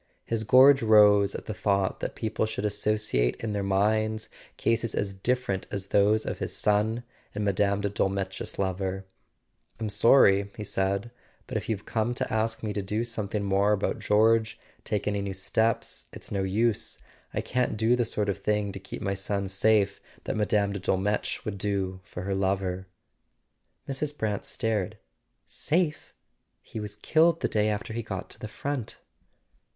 His gorge rose at the thought that people should associate in their minds cases as different as those of his son and Mme. de Dolmetsch's lover. "I'm sorry," he said. "But if you've come to ask [ 179 ] A SON AT THE FRONT me to do something more about George—take any new steps—it's no use. I can't do the sort of thing to keep my son safe that Mme. de Dolmetsch would do for her lover." Mrs. Brant stared. "Safe? He was killed the day after he got to the front."